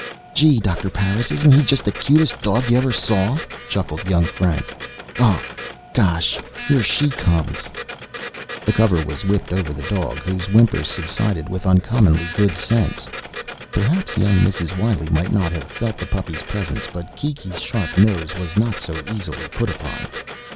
"Gee, Doctor Parris, isn't he just the cutest dog you ever saw?" chuckled young Frank. "Oh, gosh, here she comes!" The cover was whipped over the dog, whose whimpers subsided with uncommonly good sense. Perhaps young Mrs. Wiley might not have felt the puppy's presence but Kiki's sharp nose was not so easily put upon.